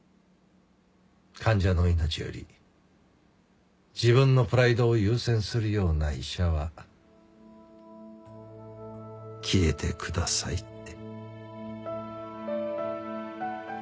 患者の命より自分のプライドを優先するような医者は消えてくださいって。